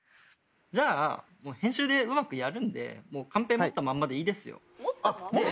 じゃあ編集でうまくやるんでもうカンペ持ったまんまでいいですよ。